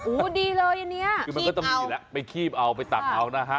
อู๋ดีเลยอันนี้คือมันก็ต้องมีแหละไปขีบเอาไปตักเอานะฮะ